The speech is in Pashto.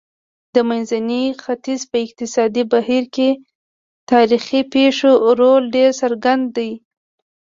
د منځني ختیځ په اقتصادي بهیر کې تاریخي پېښو رول ډېر څرګند دی.